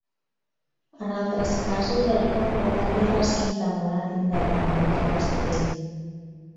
En altres casos, el poble tenia recinte murat independent del castell.